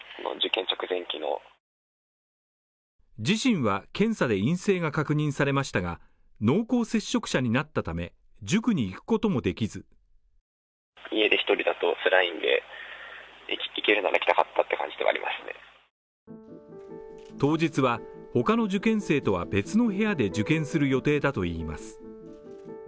自身は検査で陰性が確認されましたが、濃厚接触者になったため塾に行くこともできず当日は他の受験生とは別の部屋で受験する予定だといいます。